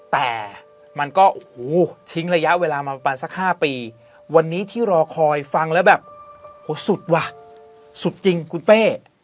แต่มันก็โอ้โหทิ้งระยะเวลามาประมาณสัก๕ปีวันนี้ที่รอคอยฟังแล้วแบบโหสุดว่ะสุดจริงคุณเป้